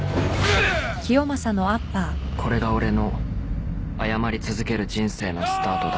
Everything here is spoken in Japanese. ［これが俺の謝り続ける人生のスタートだ］